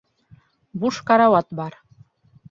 Буш карауат бар.